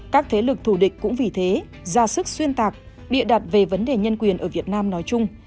các thế lực thù địch cũng vì thế ra sức xuyên tạc bịa đặt về vấn đề nhân quyền ở việt nam nói chung